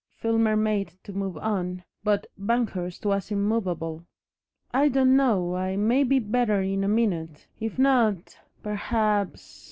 Filmer made to move on, but Banghurst was immovable. "I don't know. I may be better in a minute. If not perhaps...